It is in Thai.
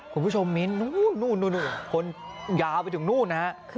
คุณผู้ชมมินทร์โน่นคนยาวไปถึงโน่นนั่นครับ